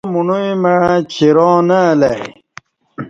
آو مݨوعی مع چِراں نہ الہ ای